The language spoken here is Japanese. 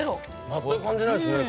全く感じないですね